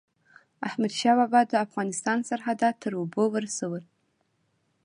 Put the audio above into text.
احمدشاه بابا د افغانستان سرحدات تر اوبو ورسول.